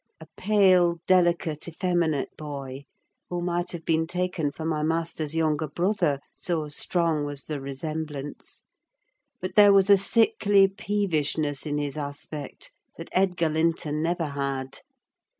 A pale, delicate, effeminate boy, who might have been taken for my master's younger brother, so strong was the resemblance: but there was a sickly peevishness in his aspect that Edgar Linton never had.